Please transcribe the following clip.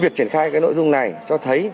việc triển khai nội dung này cho thấy